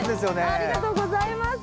ありがとうございます。